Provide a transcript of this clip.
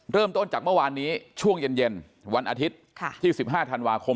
เริ่มต้นจากเมื่อวานนี้ช่วงเย็นวันอาทิตย์ที่๑๕ธันวาคม